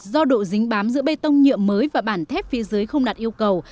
do độ dính bám giữa bê tông nhựa mới và bản thép phía dưới không đạt yêu cầu